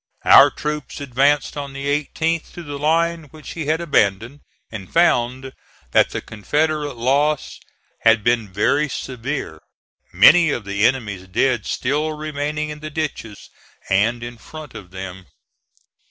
Our troops advanced on the 18th to the line which he had abandoned, and found that the Confederate loss had been very severe, many of the enemy's dead still remaining in the ditches and in front of them.